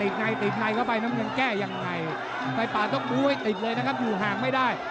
เกาะยางอย่างเดียวแล้วตอนนี้